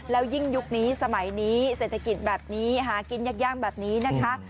แล้วยิ่งยุคนี้สมัยนี้เศรษฐกิจแบบนี้หากินยากแบบนี้นะคะ